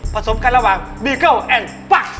สมกันระหว่างบีเกิลแอนด์ฟัก